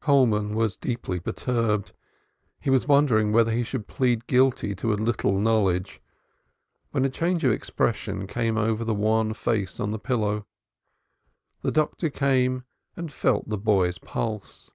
Coleman was deeply perturbed. He was wondering whether he should plead guilty to a little knowledge, when a change of expression came over the wan face on the pillow. The doctor came and felt the boy's pulse.